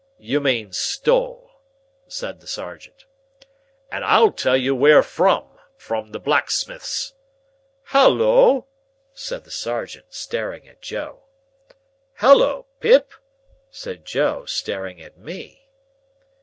"You mean stole," said the sergeant. "And I'll tell you where from. From the blacksmith's." "Halloa!" said the sergeant, staring at Joe. "Halloa, Pip!" said Joe, staring at me.